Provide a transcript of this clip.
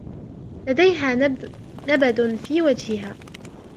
لديها نبد في وجهها.